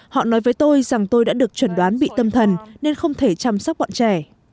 họ nói với tôi rằng tôi đã được chuẩn đoán bị tâm thần nên không thể chăm sóc bọn trẻ